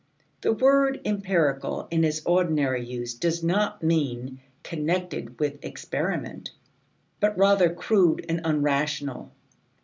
The word empirical in its ordinary use does not mean "connected with experiment," but rather crude and unrational.